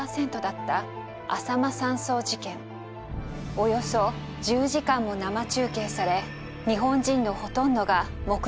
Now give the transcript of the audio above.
およそ１０時間も生中継され日本人のほとんどが目撃した事になります。